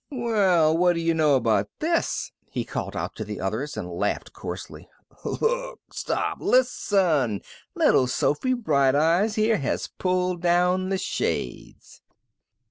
"Well, what do you know about this!" he called out to the others, and laughed coarsely, "Look, stop, listen! Little Sophy Bright Eyes here has pulled down the shades."